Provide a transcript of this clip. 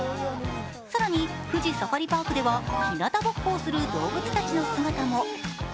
更に富士サファリパークではひなたぼっこをする動物たちの姿も。